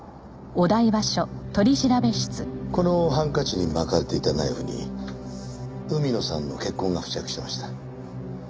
このハンカチに巻かれていたナイフに海野さんの血痕が付着してました。